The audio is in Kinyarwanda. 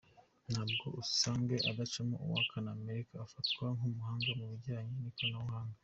Nubwo Assange adacana uwaka na Amerika, afatwa nk’umuhanga mu bijyanye n’ikoranabuhanga.